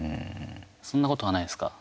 そんなことは、ないですか。